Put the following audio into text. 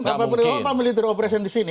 kan tak berubah ubah military operation di sini